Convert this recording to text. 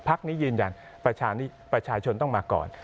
พักนี้ยืนยันประชาชนต้องมาก่อน